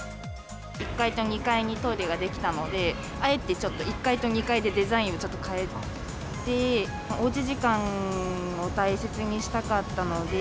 １階と２階にトイレが出来たので、あえてちょっと１階と２階でデザインをちょっとかえて、おうち時間を大切にしたかったので。